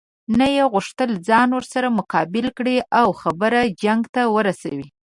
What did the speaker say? نه یې غوښتل ځان ورسره مقابل کړي او خبره جنګ ته ورسوي.